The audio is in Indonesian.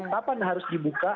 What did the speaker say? kapan harus dibuka